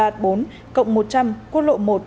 cộng một trăm linh quân lộ một trăm ba mươi bốn